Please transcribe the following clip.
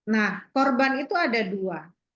nah korban itu ada dua